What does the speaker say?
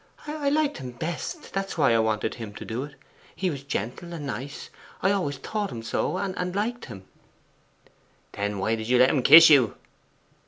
I liked him best that's why I wanted him to do it. He was gentle and nice I always thought him so and I liked him.' 'Then why did you let him kiss you?